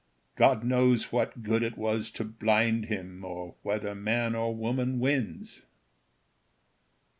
God knows what good it was to blind him, Or whether man or woman wins.